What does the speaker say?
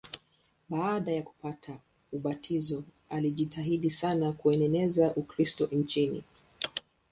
Baada ya kupokea ubatizo alijitahidi sana kueneza Ukristo nchini.